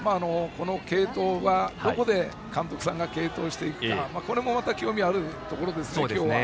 どこで監督さんが継投していくかこれもまた興味あるところですね。